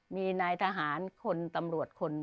มีนายทหารคนตำรวจคน